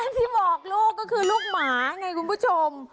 ที่บอกลูกก็คือลูกหมาไงคุณผู้ชม